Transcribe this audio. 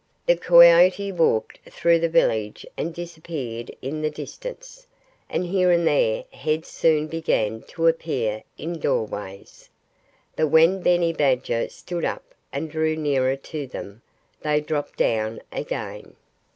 The coyote walked through the village and disappeared in the distance. And here and there heads soon began to appear in doorways. But when Benny Badger stood up and drew nearer to them, they dropped down again.